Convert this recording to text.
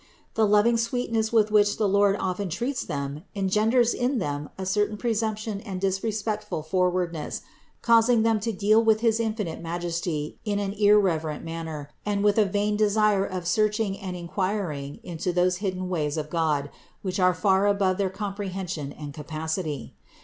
The loving sweetness with which the Lord often treats them engenders in them a certain presumption and disrespectful forwardness, causing them to deal with his infinite Majesty in an irreverent manner, and with a vain desire of searching and inquiring into those hidden ways of God which are far above their comprehension and capacity.